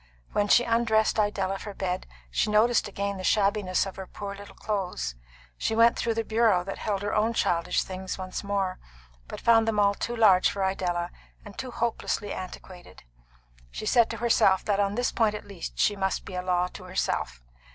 When she undressed Idella for bed she noticed again the shabbiness of her poor little clothes. She went through the bureau that held her own childish things once more, but found them all too large for Idella, and too hopelessly antiquated. She said to herself that on this point at least she must be a law to herself.